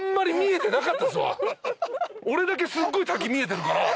俺だけすっごい滝見えてるから。